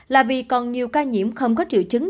là vì còn nhiều ca nhiễm không có triệu chứng